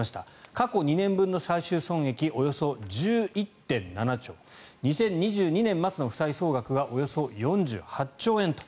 過去２年分の最終損失およそ１１．７兆２０２２年末の負債総額がおよそ４８兆円と。